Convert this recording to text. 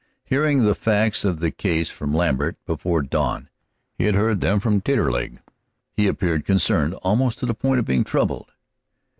Hearing the facts of the case from Lambert before dawn he had heard them from Taterleg he appeared concerned almost to the point of being troubled.